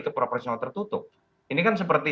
ke proporsional tertutup ini kan seperti